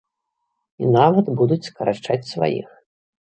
І нават будуць скарачаць сваіх.